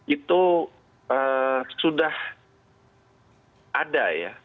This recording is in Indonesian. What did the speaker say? itu sudah ada ya